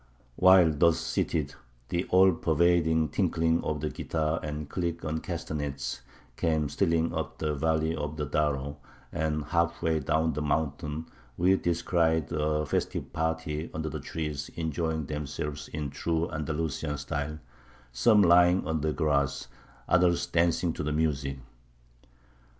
While thus seated, the all pervading tinkling of the guitar and click on the castanets came stealing up the valley of the Darro, and half way down the mountain we descried a festive party under the trees enjoying themselves in true Andalusian style; some lying on the grass, others dancing to the music."